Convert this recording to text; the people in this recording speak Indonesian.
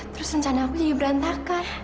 terus rencana aku jadi berantakan